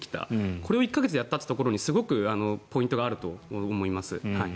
これを１か月でできたというところがすごくポイントがあると思います。